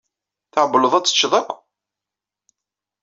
Tɛewwleḍ ad t-teččeḍ akk?